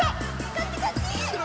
こっちこっち！